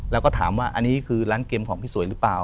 แล้วก็ถามว่าอันนี้คือร้านเกมของพี่สวยหรือเปล่า